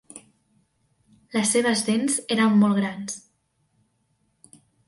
Les seves dents eren molt grans.